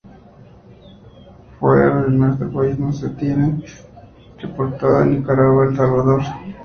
Fuera de nuestro país se tiene reportado en Nicaragua y el Salvador.